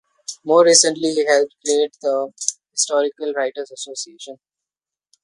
More recently he helped create the "Historical Writers' Association".